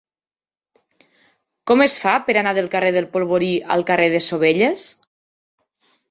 Com es fa per anar del carrer del Polvorí al carrer de Sovelles?